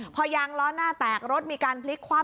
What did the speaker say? พอยางล้อหน้าแตกรถมีการพลิกคว่ำ